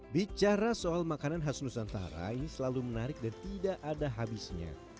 bicara soal makanan khas nusantara ini selalu menarik dan tidak ada habisnya